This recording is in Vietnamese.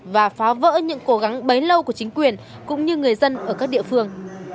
và phá vỡ những cố gắng bấy lâu của chính quyền cũng như người dân ở các địa phương